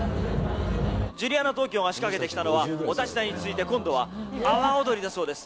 ジュリアナ東京が仕掛けてきたのは、お立ち台に続いて今度は泡踊りだそうです。